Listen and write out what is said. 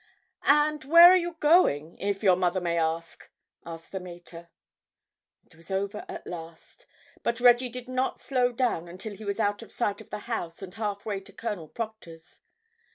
"And where are you going, if your mother may ask?" asked the mater. It was over at last, but Reggie did not slow down until he was out of sight of the house and half way to Colonel Proctor's.